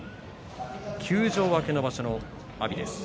休場明けの場所、阿炎です。